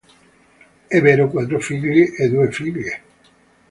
Ebbero quattro figli e due figlie.